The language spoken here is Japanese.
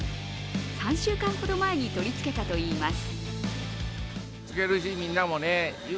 ３週間ほど前に取り付けたといいます。